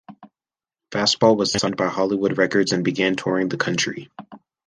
Fastball was signed by Hollywood Records and began touring the country.